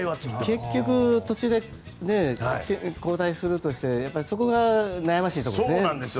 結局途中で交代するとしてそこが悩ましいところですね。